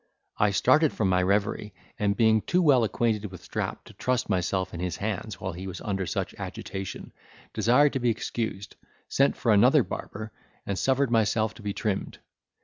I started from my reverie, and, being too well acquainted with Strap to trust myself in his hands while he was under such agitation, desired to be excused, sent for another barber, and suffered myself to be trimmed.